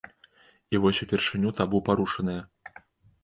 І вось упершыню табу парушанае.